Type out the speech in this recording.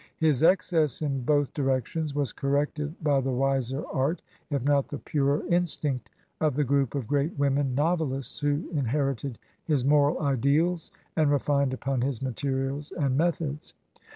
His excess in both directions was corrected by the wiser art if not the purer instinct of the group of great women novelists who in herited his moral ideals and refined upon his materials and methods.